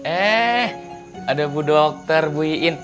eh ada bu dokter bu iin